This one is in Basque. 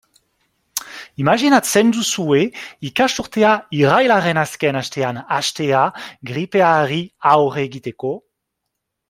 Imajinatzen duzue ikasturtea irailaren azken astean hastea gripeari aurre egiteko?